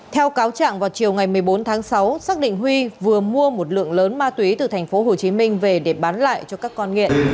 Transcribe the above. theo cáo trạng vào chiều ngày một mươi bốn tháng sáu xác định huy vừa mua một lượng lớn ma túy từ tp hcm về để bán lại cho các con nghiện